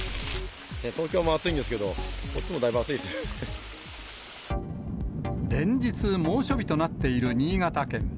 東京も暑いんですけど、連日、猛暑日となっている新潟県。